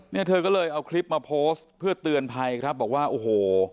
เนี่ยเธอก็เลยเอาคลิปมาโพสต์เพื่อเตือนภัยครับบอกว่าโอ้โห